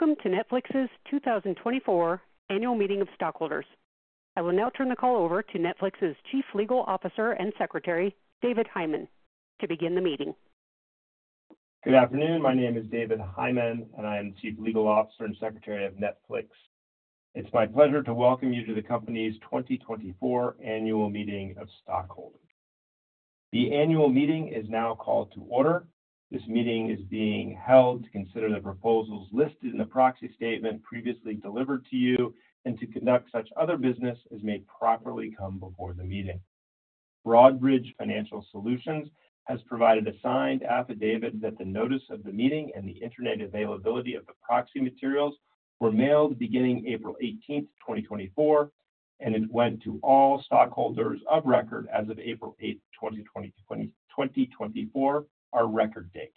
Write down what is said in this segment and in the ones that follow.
Welcome to Netflix's 2024 Annual Meeting of Stockholders. I will now turn the call over to Netflix's Chief Legal Officer and Secretary, David Hyman, to begin the meeting. Good afternoon. My name is David Hyman, and I am Chief Legal Officer and Secretary of Netflix. It's my pleasure to welcome you to the company's 2024 Annual Meeting of Stockholders. The annual meeting is now called to order. This meeting is being held to consider the proposals listed in the proxy statement previously delivered to you and to conduct such other business as may properly come before the meeting. Broadridge Financial Solutions has provided a signed affidavit that the notice of the meeting and the Internet availability of the proxy materials were mailed beginning April 18th, 2024, and it went to all stockholders of record as of April 8th, 2024, our record date.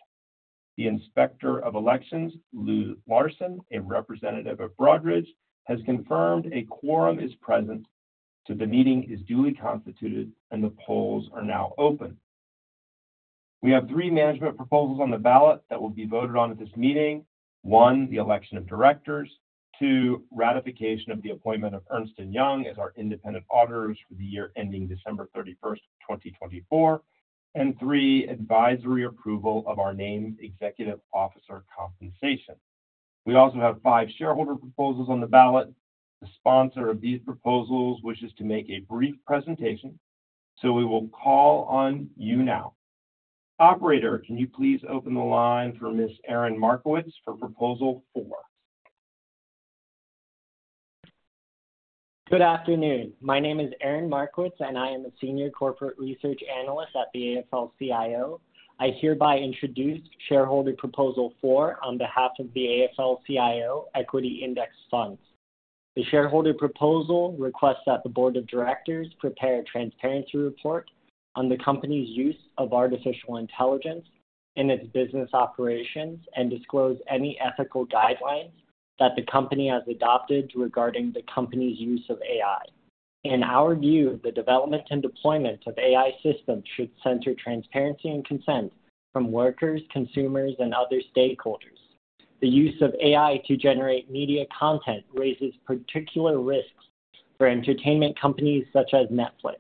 The Inspector of Elections, Lou Larson, a representative of Broadridge, has confirmed a quorum is present, so the meeting is duly constituted and the polls are now open. We have three management proposals on the ballot that will be voted on at this meeting. One, the election of directors. Two, ratification of the appointment of Ernst & Young as our independent auditors for the year ending December 31st, 2024. And three, advisory approval of our named executive officer compensation. We also have five shareholder proposals on the ballot. The sponsor of these proposals wishes to make a brief presentation, so we will call on you now. Operator, can you please open the line for Ms. Erin Markowitz for Proposal 4? Good afternoon. My name is Erin Markowitz, and I am a Senior Corporate Research Analyst at the AFL-CIO. I hereby introduce Shareholder Proposal 4 on behalf of the AFL-CIO Equity Index Funds. The shareholder proposal requests that the board of directors prepare a transparency report on the company's use of artificial intelligence in its business operations and disclose any ethical guidelines that the company has adopted regarding the company's use of AI. In our view, the development and deployment of AI systems should center transparency and consent from workers, consumers, and other stakeholders. The use of AI to generate media content raises particular risks for entertainment companies such as Netflix.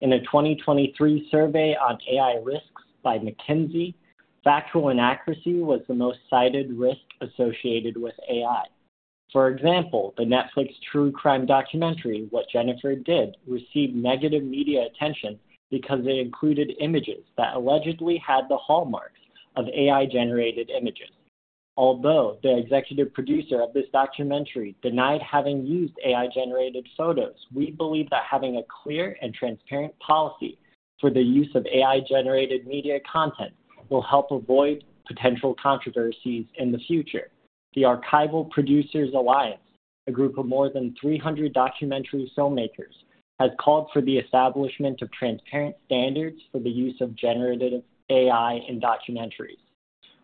In a 2023 survey on AI risks by McKinsey, factual inaccuracy was the most cited risk associated with AI. For example, the Netflix true crime documentary, What Jennifer Did, received negative media attention because it included images that allegedly had the hallmarks of AI-generated images. Although the executive producer of this documentary denied having used AI-generated photos, we believe that having a clear and transparent policy for the use of AI-generated media content will help avoid potential controversies in the future. The Archival Producers Alliance, a group of more than 300 documentary filmmakers, has called for the establishment of transparent standards for the use of generative AI in documentaries.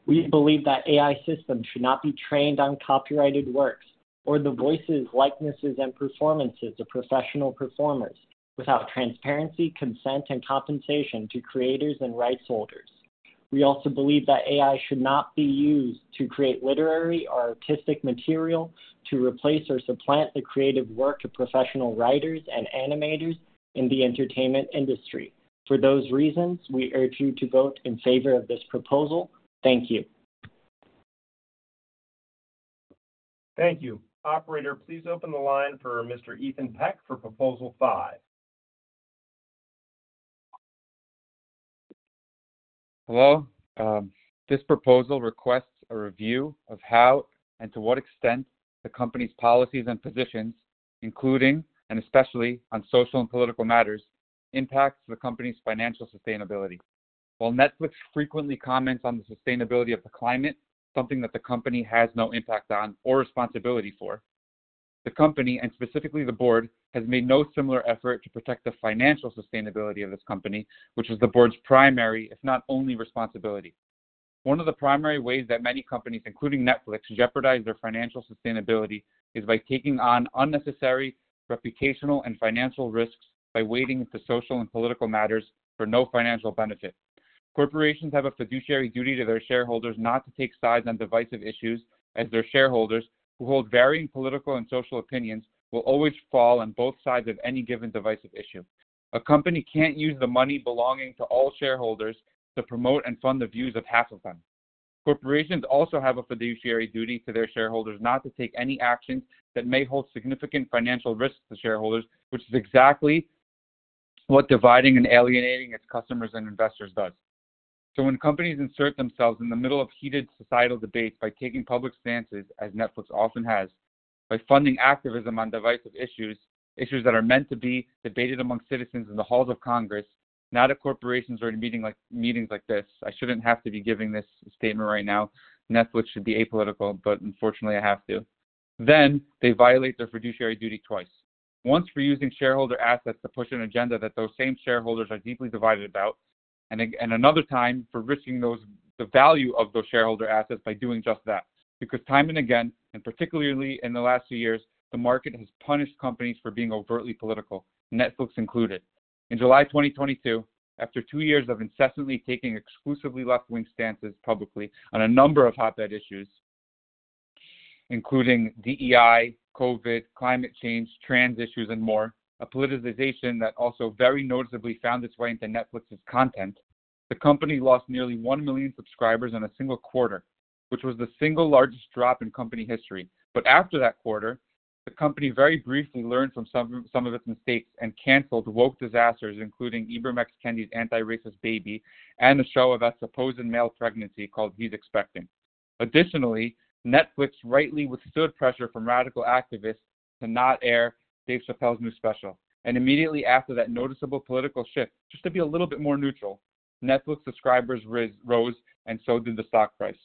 We believe that AI systems should not be trained on copyrighted works or the voices, likenesses, and performances of professional performers without transparency, consent, and compensation to creators and rights holders. We also believe that AI should not be used to create literary or artistic material to replace or supplant the creative work of professional writers and animators in the entertainment industry. For those reasons, we urge you to vote in favor of this proposal. Thank you. Thank you. Operator, please open the line for Mr. Ethan Peck for Proposal 5. Hello. This proposal requests a review of how and to what extent the company's policies and positions, including and especially on social and political matters, impacts the company's financial sustainability. While Netflix frequently comments on the sustainability of the climate, something that the company has no impact on or responsibility for, the company, and specifically the board, has made no similar effort to protect the financial sustainability of this company, which is the board's primary, if not only, responsibility. One of the primary ways that many companies, including Netflix, jeopardize their financial sustainability is by taking on unnecessary reputational and financial risks by wading into social and political matters for no financial benefit. Corporations have a fiduciary duty to their shareholders not to take sides on divisive issues, as their shareholders, who hold varying political and social opinions, will always fall on both sides of any given divisive issue. A company can't use the money belonging to all shareholders to promote and fund the views of half of them. Corporations also have a fiduciary duty to their shareholders not to take any action that may hold significant financial risk to shareholders, which is exactly what dividing and alienating its customers and investors does. So when companies insert themselves in the middle of heated societal debates by taking public stances, as Netflix often has, by funding activism on divisive issues, issues that are meant to be debated among citizens in the halls of Congress, not at corporations or in meetings like this. I shouldn't have to be giving this statement right now. Netflix should be apolitical, but unfortunately, I have to. Then they violate their fiduciary duty twice. Once for using shareholder assets to push an agenda that those same shareholders are deeply divided about, and another time for risking those, the value of those shareholder assets by doing just that. Because time and again, and particularly in the last few years, the market has punished companies for being overtly political, Netflix included. In July 2022, after 2 years of incessantly taking exclusively left-wing stances publicly on a number of hotbed issues, including DEI, COVID, climate change, trans issues, and more, a politicization that also very noticeably found its way into Netflix's content, the company lost nearly 1 million subscribers in a single quarter, which was the single largest drop in company history. But after that quarter, the company very briefly learned from some of its mistakes and canceled woke disasters, including Ibram X. Kendi's Antiracist Baby, and a show about supposed male pregnancy called He's Expecting. Additionally, Netflix rightly withstood pressure from radical activists to not air Dave Chappelle's new special. Immediately after that noticeable political shift, just to be a little bit more neutral, Netflix subscribers rose, and so did the stock price.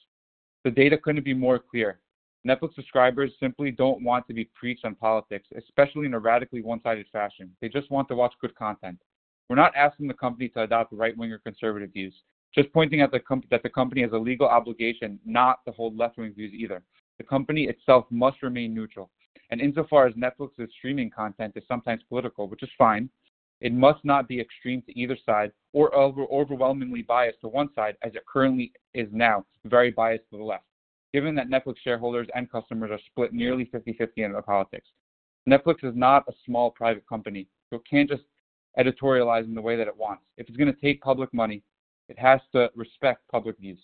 The data couldn't be more clear. Netflix subscribers simply don't want to be preached on politics, especially in a radically one-sided fashion. They just want to watch good content. We're not asking the company to adopt right-wing or conservative views, just pointing out that the company has a legal obligation not to hold left-wing views either. The company itself must remain neutral, and insofar as Netflix's streaming content is sometimes political, which is fine, it must not be extreme to either side or over-overwhelmingly biased to one side, as it currently is now, very biased to the left, given that Netflix shareholders and customers are split nearly 50/50 into politics. Netflix is not a small private company, so it can't just editorialize in the way that it wants. If it's gonna take public money, it has to respect public views.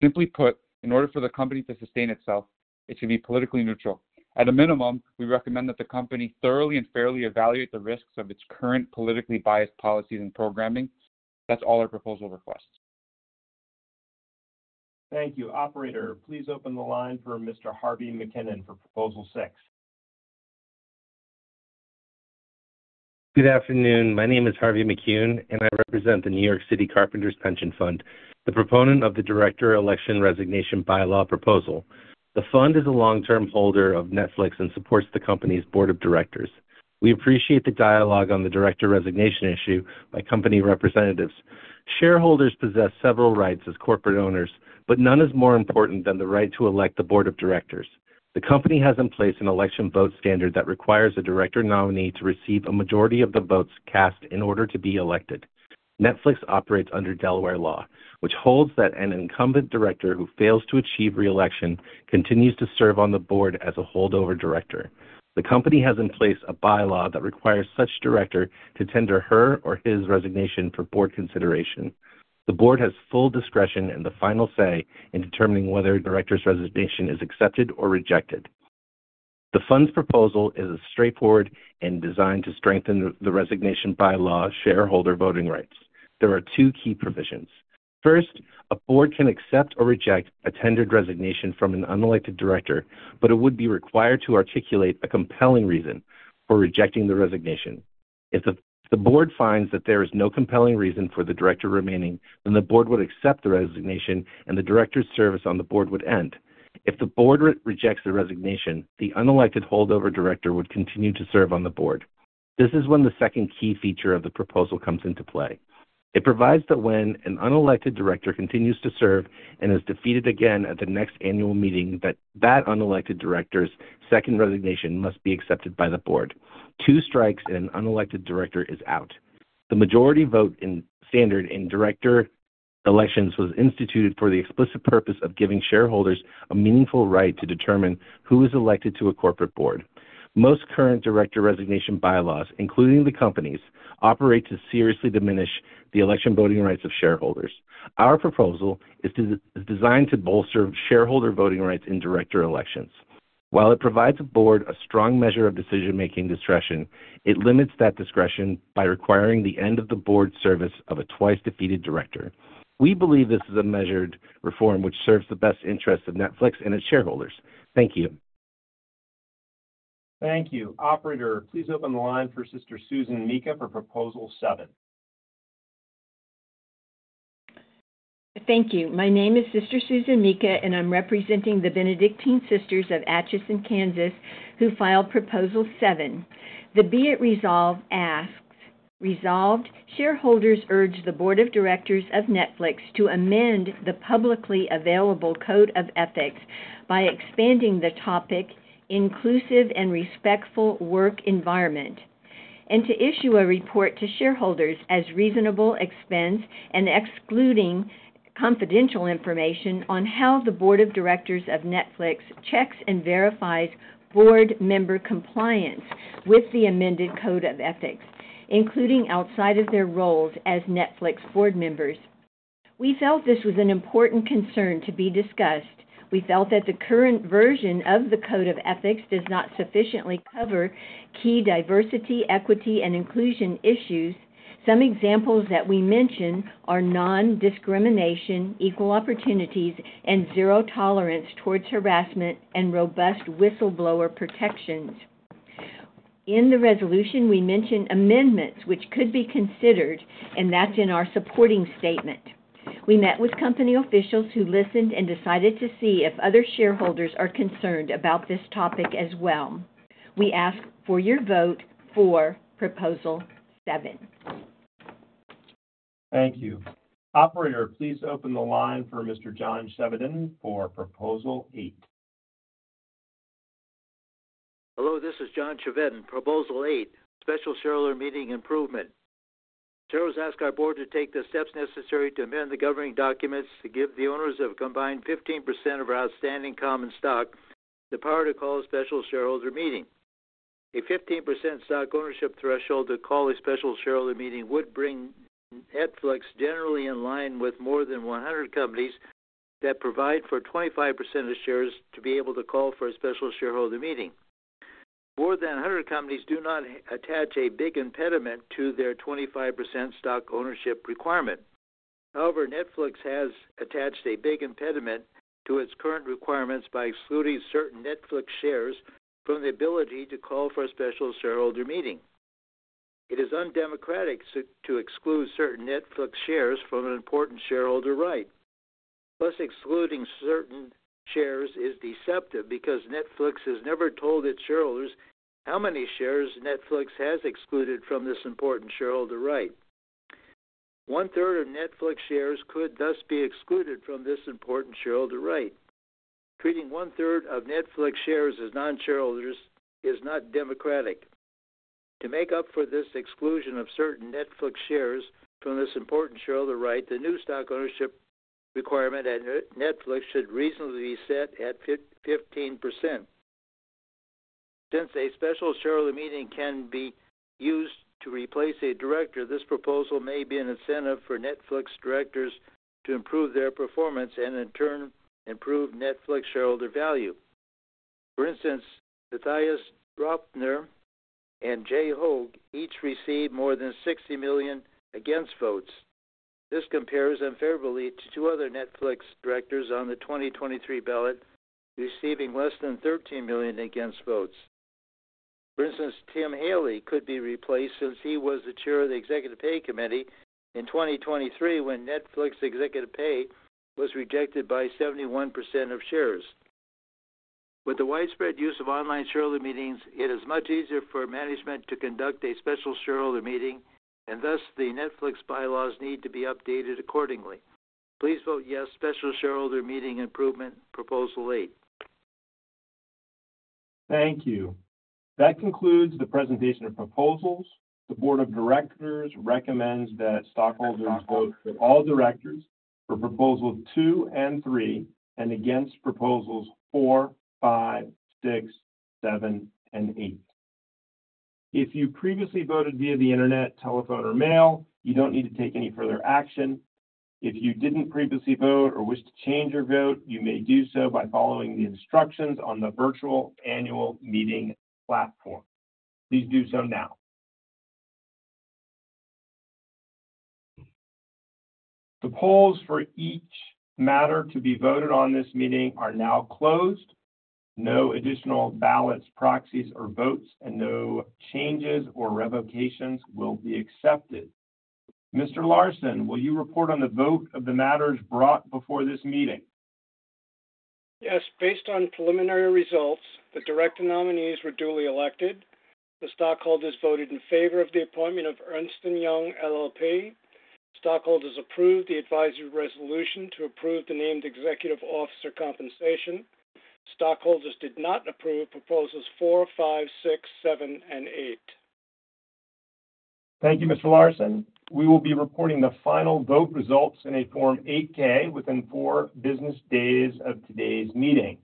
Simply put, in order for the company to sustain itself, it should be politically neutral. At a minimum, we recommend that the company thoroughly and fairly evaluate the risks of its current politically biased policies and programming. That's all our proposal requests. Thank you. Operator, please open the line for Mr. Harvey McKinnon for Proposal 6. Good afternoon. My name is Harvey McKinnon, and I represent the New York City Carpenters Pension Fund, the proponent of the director election resignation bylaw proposal. The fund is a long-term holder of Netflix and supports the company's board of directors. We appreciate the dialogue on the director resignation issue by company representatives. Shareholders possess several rights as corporate owners, but none is more important than the right to elect the board of directors. The company has in place an election vote standard that requires a director nominee to receive a majority of the votes cast in order to be elected. Netflix operates under Delaware law, which holds that an incumbent director who fails to achieve re-election continues to serve on the board as a holdover director. The company has in place a bylaw that requires such director to tender her or his resignation for board consideration. The board has full discretion and the final say in determining whether a director's resignation is accepted or rejected. The fund's proposal is straightforward and designed to strengthen the resignation bylaw shareholder voting rights. There are two key provisions. First, a board can accept or reject a tendered resignation from an unelected director, but it would be required to articulate a compelling reason for rejecting the resignation. If the board finds that there is no compelling reason for the director remaining, then the board would accept the resignation and the director's service on the board would end. If the board rejects the resignation, the unelected holdover director would continue to serve on the board. This is when the second key feature of the proposal comes into play. It provides that when an unelected director continues to serve and is defeated again at the next annual meeting, that that unelected director's second resignation must be accepted by the board. Two strikes, and an unelected director is out. The majority voting standard in director elections was instituted for the explicit purpose of giving shareholders a meaningful right to determine who is elected to a corporate board. Most current director resignation bylaws, including the company's, operate to seriously diminish the election voting rights of shareholders. Our proposal is designed to bolster shareholder voting rights in director elections. While it provides a board a strong measure of decision-making discretion, it limits that discretion by requiring the end of the board service of a twice-defeated director. We believe this is a measured reform which serves the best interest of Netflix and its shareholders. Thank you. Thank you. Operator, please open the line for Sister Susan Mika for Proposal 7. Thank you. My name is Sister Susan Mika, and I'm representing the Benedictine Sisters of Atchison, Kansas, who filed Proposal 7. The "Be it resolved" asks, "Resolved, shareholders urge the board of directors of Netflix to amend the publicly available code of ethics by expanding the topic Inclusive and Respectful Work Environment, and to issue a report to shareholders at reasonable expense, excluding confidential information, on how the board of directors of Netflix checks and verifies board member compliance with the amended code of ethics, including outside of their roles as Netflix board members." We felt this was an important concern to be discussed. We felt that the current version of the code of ethics does not sufficiently cover key diversity, equity, and inclusion issues. Some examples that we mentioned are non-discrimination, equal opportunities, and zero tolerance towards harassment, and robust whistleblower protections. In the resolution, we mentioned amendments which could be considered, and that's in our supporting statement. We met with company officials who listened and decided to see if other shareholders are concerned about this topic as well. We ask for your vote for Proposal 7. Thank you. Operator, please open the line for Mr. John Chevedden for Proposal 8. Hello, this is John Chevedden, Proposal 8, Special Shareholder Meeting Improvement. Shareholders ask our board to take the steps necessary to amend the governing documents to give the owners of a combined 15% of our outstanding common stock the power to call a special shareholder meeting. A 15% stock ownership threshold to call a special shareholder meeting would bring Netflix generally in line with more than 100 companies that provide for 25% of the shares to be able to call for a special shareholder meeting. More than 100 companies do not attach a big impediment to their 25% stock ownership requirement. However, Netflix has attached a big impediment to its current requirements by excluding certain Netflix shares from the ability to call for a special shareholder meeting. It is undemocratic to exclude certain Netflix shares from an important shareholder right. Plus, excluding certain shares is deceptive because Netflix has never told its shareholders how many shares Netflix has excluded from this important shareholder right. 1/3of Netflix shares could thus be excluded from this important shareholder right. Treating 1/3 of Netflix shares as non-shareholders is not democratic. To make up for this exclusion of certain Netflix shares from this important shareholder right, the new stock ownership requirement at Netflix should reasonably be set at 15%. Since a special shareholder meeting can be used to replace a director, this proposal may be an incentive for Netflix directors to improve their performance and in turn, improve Netflix shareholder value. For instance, Matthias Döpfner and Jay Hoag each received more than 60 million against votes. This compares unfavorably to two other Netflix directors on the 2023 ballot, receiving less than 13 million against votes. For instance, Tim Haley could be replaced since he was the chair of the Executive Pay Committee in 2023, when Netflix executive pay was rejected by 71% of shares. With the widespread use of online shareholder meetings, it is much easier for management to conduct a special shareholder meeting, and thus the Netflix bylaws need to be Updated accordingly. Please vote yes special shareholder meeting improvement Proposal 8. Thank you. That concludes the presentation of proposals. The board of directors recommends that stockholders vote for all directors for Proposals 2 and 3, and against Proposals 4, 5, 6, 7, and 8. If you previously voted via the Internet, telephone, or mail, you don't need to take any further action. If you didn't previously vote or wish to change your vote, you may do so by following the instructions on the virtual annual meeting platform. Please do so now. The polls for each matter to be voted on in this meeting are now closed. No additional ballots, proxies, or votes, and no changes or revocations will be accepted. Mr. Larson, will you report on the vote of the matters brought before this meeting? Yes. Based on preliminary results, the director nominees were duly elected. The stockholders voted in favor of the appointment of Ernst Young LLP. Stockholders approved the advisory resolution to approve the named executive officer compensation. Stockholders did not approve Proposals 4, 5, 6, 7, and 8. Thank you, Mr. Larson. We will be reporting the final vote results in a Form 8-K within four business days of today's meeting.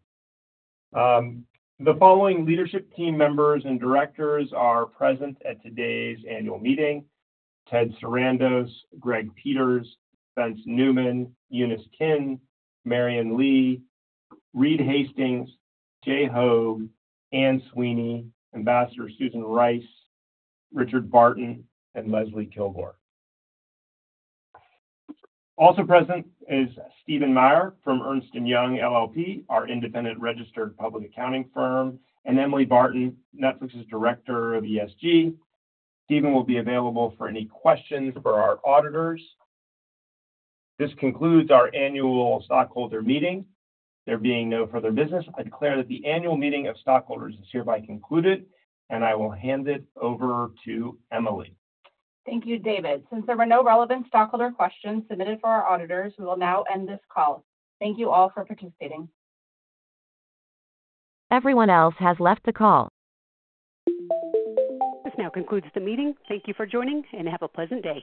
The following leadership team members and directors are present at today's annual meeting: Ted Sarandos, Greg Peters, Spencer Neumann, Eunice Kim, Marian Lee, Reed Hastings, Jay Hoag, Anne Sweeney, Ambassador Susan Rice, Richard Barton, and Leslie Kilgore. Also present is Stephen Meier from Ernst & Young LLP, our independent registered public accounting firm, and Emily Barton, Netflix's Director of ESG. Stephen will be available for any questions for our auditors. This concludes our annual stockholder meeting. There being no further business, I declare that the annual meeting of stockholders is hereby concluded, and I will hand it over to Emily. Thank you, David. Since there were no relevant stockholder questions submitted for our auditors, we will now end this call. Thank you all for participating. This now concludes the meeting. Thank you for joining, and have a pleasant day.